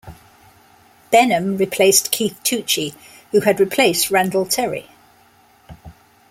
Benham replaced Keith Tucci, who had replaced Randall Terry.